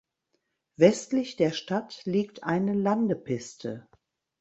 Westlich der Stadt liegt eine Landepiste.